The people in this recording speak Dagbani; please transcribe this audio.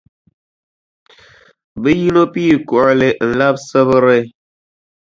Bɛ yino pii kuɣili n-labi Sibiri.